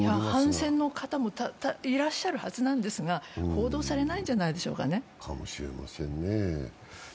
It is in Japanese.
反戦の方もいらっしゃるはずですが報道されないんじゃないでしょうかね。